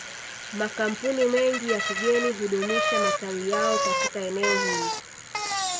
Makampuni mengi ya kigeni hudumisha matawi yao katika eneo hili